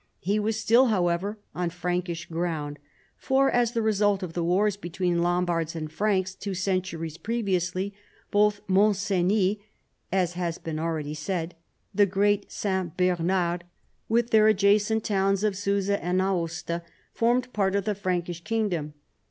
He was still, however, on Prankish ground, for, as the result of the wars between Lombards and Franks two centuries previous!}^, both Mont Cenis and (as has been already said) the Great St. Bernard with their adjacent towns of Susa and. Aosta formed part of the Prankish kingdom.